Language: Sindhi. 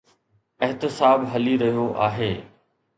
احتساب هلي رهيو آهي.